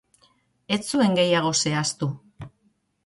Ez zuen gehiago zehaztu.